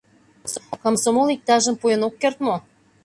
Комсомол иктажым пуэн ок керт мо?